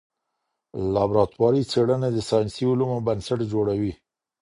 لابراتواري څېړني د ساینسي علومو بنسټ جوړوي.